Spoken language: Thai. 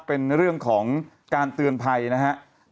เป็นเรื่องของการเตือนภัยนะครับ